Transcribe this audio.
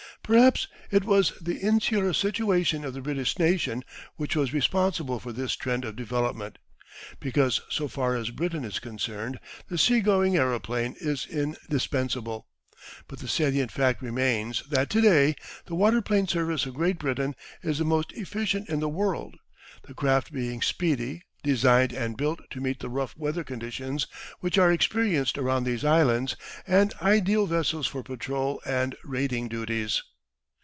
Perhaps it was the insular situation of the British nation which was responsible for this trend of development, because so far as Britain is concerned the sea going aeroplane is in dispensable. But the salient fact remains that to day the waterplane service of Great Britain is the most efficient in the world, the craft being speedy, designed and built to meet the rough weather conditions which are experienced around these islands, and ideal vessels for patrol and raiding duties.